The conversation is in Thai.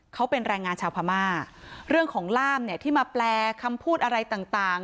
เขาเป็นแรงงานชาวพม่าเรื่องของล่ามเนี่ยที่มาแปลคำพูดอะไรต่างต่าง